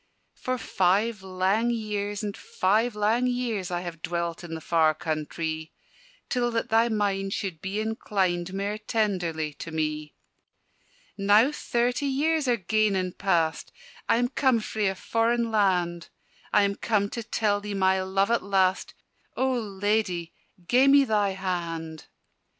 "For five lang years, and five lang years, I have dwelt in the far countrie, Till that thy mind should be inclined Mair tenderly to me. "Now thirty years are gane and past, I am come frae a foreign land: I am come to tell thee my love at last O Ladye, gie me thy hand!"